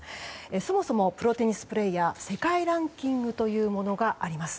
そもそも、プロテニスプレーヤー世界ランキングというものがあります。